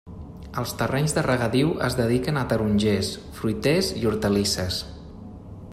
Els terrenys de regadiu es dediquen a tarongers, fruiters i hortalisses.